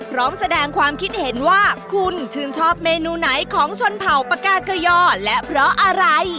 พร้อมแสดงความคิดเห็นว่าคุณชื่นชอบเมนูไหนของชนเผ่าปากาเกยอและเพราะอะไร